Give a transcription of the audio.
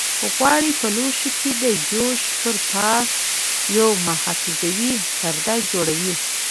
غوړي په لوښي کې د جوشې پر پاسه یو محافظوي پرده جوړوي.